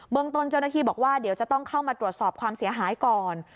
เมืองต้นเจ้าหน้าที่บอกว่าเดี๋ยวจะต้องเข้ามาตรวจสอบความเสียหายก่อน